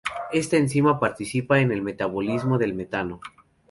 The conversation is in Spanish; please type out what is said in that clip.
Esta enzima participa en el metabolismo del metano.